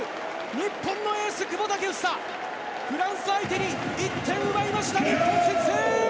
日本のエース、久保建英、フランス相手に１点奪いました。